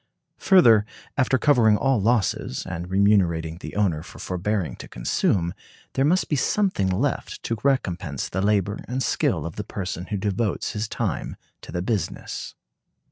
Further, after covering all losses, and remunerating the owner for forbearing to consume, there must be something left to recompense the labor and skill of the person who devotes his time to the business.